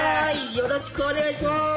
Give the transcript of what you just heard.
よろしくお願いします。